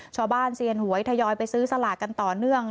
เซียนหวยทยอยไปซื้อสลากกันต่อเนื่อง